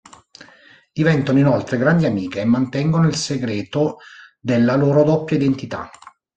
Diventano inoltre grandi amiche e mantengono il segreto della loro doppia identità.